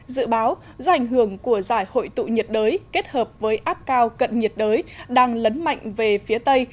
dự báo do ảnh hưởng của giải hội tụ nhiệt đới kết hợp với áp cao cận nhiệt đới đang lấn mạnh về phía tây